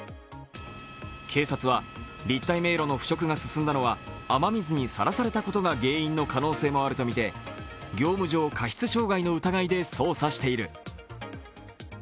警察は、立体迷路の腐食が進んだのは雨水にさらされたことが原因の可能性もあるとみて業務上過失傷害の疑いで捜査している。